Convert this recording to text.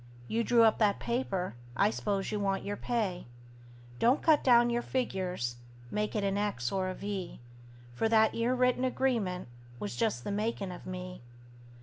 You drew up that paper I s'pose you want your pay. Don't cut down your figures; make it an X or a V; For that 'ere written agreement was just the makin' of me.